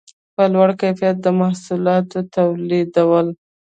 په لوړ کیفیت محصولات یې تولیدول.